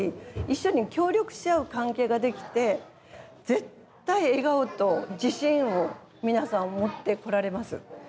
一緒に協力し合う関係ができて絶対笑顔と自信を皆さん持ってこられます。